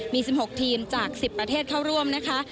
มี๑๖ทีมจาก๑๐ประเทศเข้าร่วมนะคะ